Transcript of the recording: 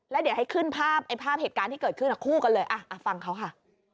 แล้วเดี๋ยวให้ขึ้นภาพไอ้ภาพเหตุการณ์ที่เกิดขึ้นคู่กันเลยฟังเขาค่ะ